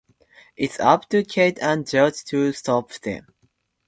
It's up to Kate and George to stop them.